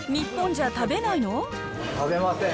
食べません。